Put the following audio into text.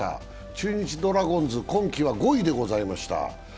中日ドラゴンズ、今季は５位でございました。